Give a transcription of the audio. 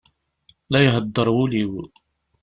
La ihedder wul-iw.